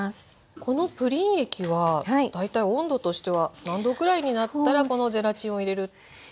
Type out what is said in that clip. このプリン液は大体温度としては何度ぐらいになったらこのゼラチンを入れる？